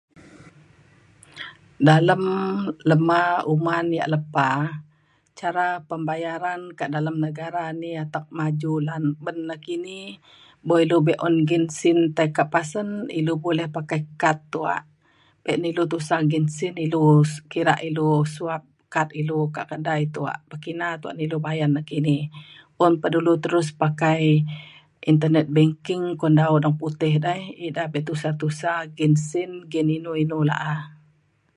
Dalem lema uman yak lepa cara pembayaran kak dalem negara ni atek maju lan ban nakini buk ilu be’un nggin sin tai kak pasen ilu buleh pakai kad tuak. Be na ilu tusa nggin sin ilu kira ilu swap kad ilu kak kedai tuak. Pekina tuak ilu bayan nakini. Un pa dulu terus pakai internet banking kun dau urang putih dai ida be tusa tusa nggin sin nggin inu inu la’a.